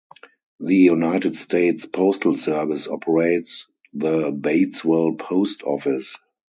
The United States Postal Service operates the Batesville Post Office.